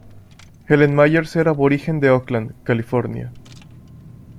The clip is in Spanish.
Helen Myers era aborigen de Oakland, California.